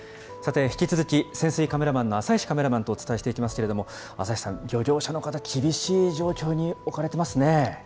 さて、引き続き、潜水カメラマンの浅石カメラマンとお伝えしていきますけれども、浅石さん、漁業者の方、厳しい状況に置かれてますね。